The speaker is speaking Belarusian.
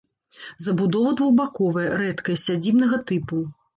Забудова двухбаковая, рэдкая, сядзібнага тыпу.